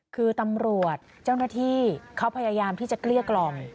คือตำรวจเจ้าหน้าที่เขาพยายามที่จะเกลี้ยกล่อม